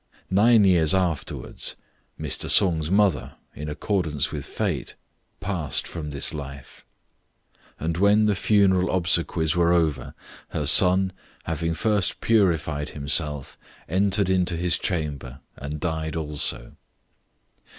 Nine years afterwards, Mr Sung's mother, in accordance with fate, passed from this life; and when the funeral obsequies were over, her son, having first purified himself, entered into his chamber and died also.